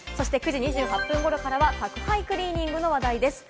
９時２８分ごろからは宅配クリーニングの話題です。